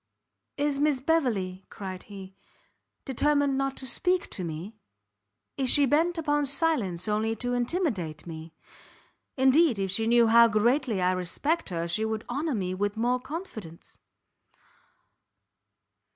"Is Miss Beverley," cried he, "determined not to, speak to me? Is she bent upon silence only to intimidate me? Indeed if she knew how greatly I respect her, she would honour me with more confidence."